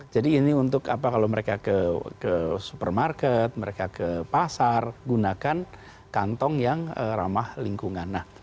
jadi ini untuk apa kalau mereka ke supermarket mereka ke pasar gunakan kantong yang ramah lingkungan